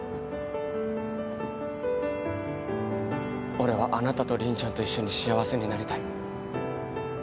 俺はあなたと凛ちゃんと一緒に幸せになりたい。